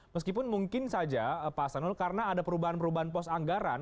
meskipun mungkin saja pak asanul karena ada perubahan perubahan pos anggaran